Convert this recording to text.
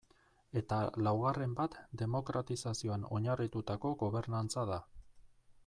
Eta laugarren bat demokratizazioan oinarritutako gobernantza da.